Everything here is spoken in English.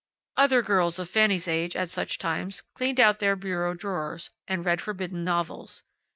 Other girls of Fanny's age, at such times, cleaned out their bureau drawers and read forbidden novels.